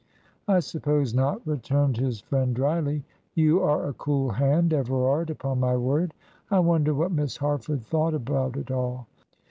"I suppose not," returned his friend, dryly. "You are a cool hand, Everard, upon my word. I wonder what Miss Harford thought about it all.